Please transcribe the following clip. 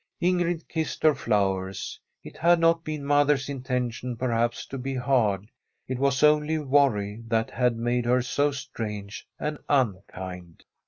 Ingrid kissed her flowers. It had not been mother's intention, perhaps, to be hard ; it was only worry that had made her so strange and unkind.